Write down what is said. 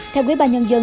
theo quỹ ba nhân dân